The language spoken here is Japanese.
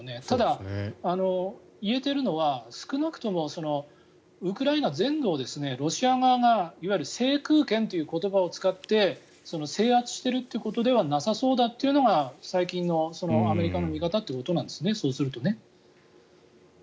ただ、言えているのは少なくともウクライナ全土をロシア側がいわゆる制空権という言葉を使って制圧しているっていうことではなさそうだというのが最近のアメリカの見方ってことなんですね。